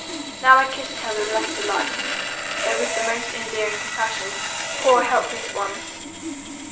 Now I kissed her with less delight, though with the most endearing compassion, poor helpless one!